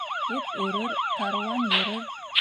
Эт өрөр, каруан йөрөр.